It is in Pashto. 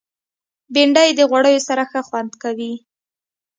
بېنډۍ د غوړیو سره ښه خوند کوي